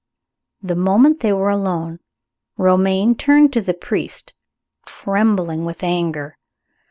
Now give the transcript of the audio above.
The moment they were alone, Romayne turned to the priest, trembling with anger.